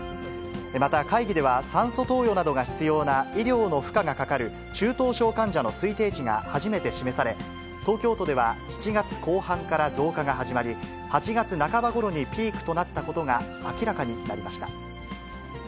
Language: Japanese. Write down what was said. また会議では、酸素投与などが必要な医療の負荷がかかる中等症患者の推定値が初めて示され、東京都では７月後半から増加が始まり、８月半ばごろにピークとなったことが明らかになりました。